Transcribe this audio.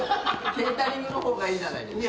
ケータリングの方がいいじゃないですか。